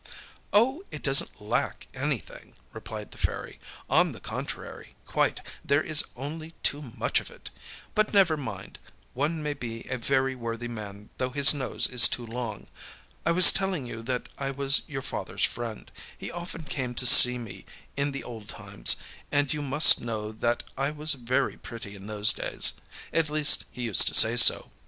âOh! it doesnât lack anything,â replied the Fairy. âOn the contrary quite, there is only too much of it. But never mind, one may be a very worthy man though his nose is too long. I was telling you that I was your fatherâs friend; he often came to see me in the old times, and you must know that I was very pretty in those days; at least, he used to say so.